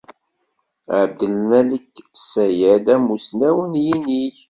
Abdelmalek Sayad amussnaw n yinig.